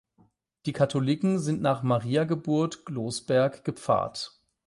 Die Katholiken sind nach Mariä Geburt (Glosberg) gepfarrt.